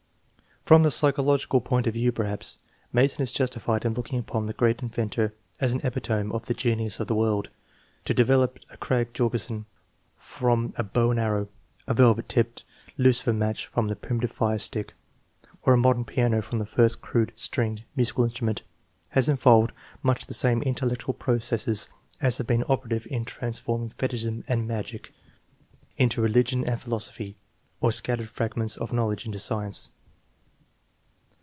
l From the psychological point of view, perhaps, Mason is justified in looking upon the great in ventor as " an epitome of the genius of the world." To develop a Krag Jorgcson from a bow and arrow, a " velvet tipped " lucifer match from the primitive fire stick, or a modern piano from the* first crude, stringed, musical in strument has involved much the same intellectual processes as have been operative in transforming fetishism and magic 1 Otis T. Mason: The Origins of Inventions. (London, 1902.) 348 THE MEASUREMENT OF INTELLIGENCE into religion and philosophy, or scattered fragments of knowledge into science.